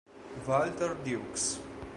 Walter Dukes